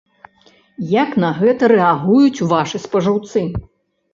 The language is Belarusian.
Як на гэта рэагуюць вашы спажыўцы?